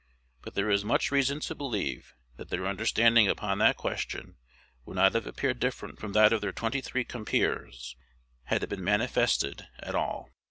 But there is much reason to believe that their understanding upon that question would not have appeared different from that of their twenty three compeers, had it been manifested at all.